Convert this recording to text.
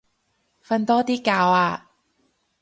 瞓多啲覺啊